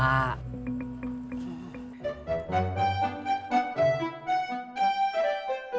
tasik aja pak